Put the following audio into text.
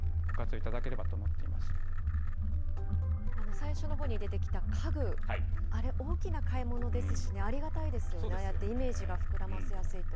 最初のほうに出てきた家具、あれ、大きな買い物ですしね、ありがたいですよね、ああやってイメージが膨らませやすいと。